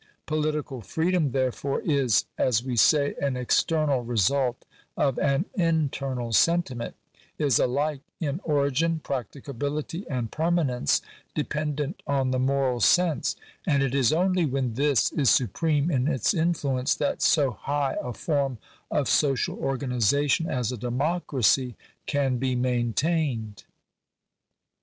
Political freedom, therefore, is, as we say, an external result of an interna] sentiment — is alike, in origin, practicability, and permanence, dependent on the moral sense; and it is only when this is supreme in its influence that so high a form of social organization as a democracy can be maintained.